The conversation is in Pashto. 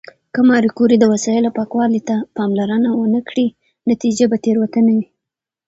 که ماري کوري د وسایلو پاکوالي ته پاملرنه ونه کړي، نتیجه به تېروتنه وي.